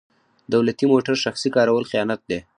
دولتي موټر شخصي کارول خیانت دی.